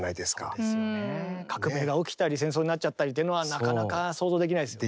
革命が起きたり戦争になっちゃったりというのはなかなか想像できないですよね。